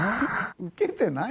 ウケてない。